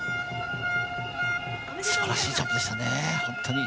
すばらしいジャンプでしたね、本当に。